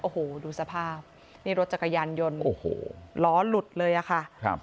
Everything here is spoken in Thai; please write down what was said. โอ้โหดูสภาพนี่รถจักรยานยนต์ล้อหลุดเลยค่ะ